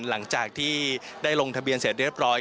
หลังจากที่ได้ลงทะเบียนเสร็จเรียบร้อย